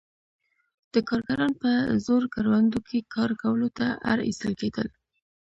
دا کارګران په زور کروندو کې کار کولو ته اړ ایستل کېدل.